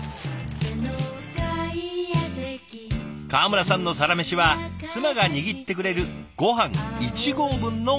川村さんのサラメシは妻が握ってくれるごはん一合分のおにぎり。